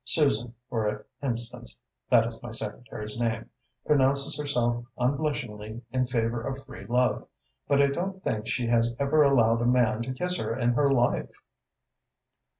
Susan, for instance that is my secretary's name pronounces herself unblushingly in favour of free love, but I don't think she has ever allowed a man to kiss her in her life."